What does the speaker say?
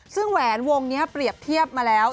ซึ่งแหวนวงนี้เปรียบเทียบมาแล้ว